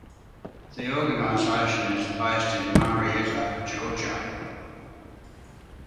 The organization is based in Marietta, Georgia.